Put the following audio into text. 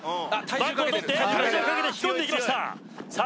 バックを取って体重をかけて引き込んでいきましたさあ